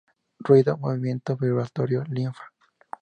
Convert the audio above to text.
Ruido: movimiento vibratorio-linfa.